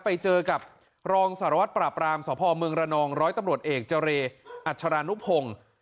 ไปเจอกับรองสารวัตรปราบรามสมรนร้อยตำรวจเอกจอัจฉรานุพงศ์